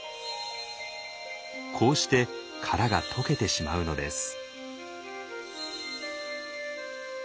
こうして殻が溶けてしまうのです。